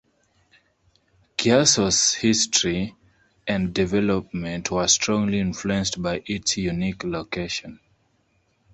Chiasso's history and development were strongly influenced by its unique location.